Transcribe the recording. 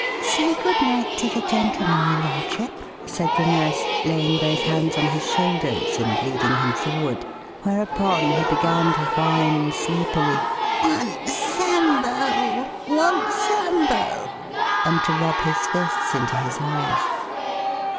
"Say good night to the gentleman, your lordship," said the nurse, laying both hands on his shoulders and leading him forward, whereupon he began to whine sleepily: "Want Sambo! Want Sambo!" and to rub his fists into his eyes.